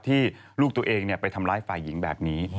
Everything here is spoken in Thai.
ที่ลูกตัวเองไปทำร้ายฝ่ายหญิงแบบนี้